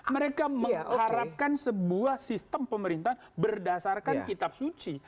mereka mengharapkan sebuah sistem pemerintahan berdasarkan kitab suci